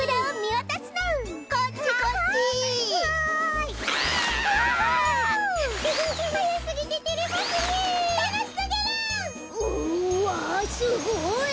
うわすごい！